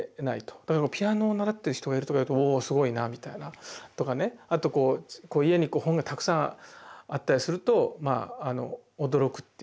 だからピアノを習ってる人がいるとかいうと「おすごいな」みたいなとかねあと家に本がたくさんあったりすると驚くっていうか。